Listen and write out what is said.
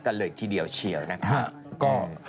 กันเลยทีเดียวเชียวนะครับ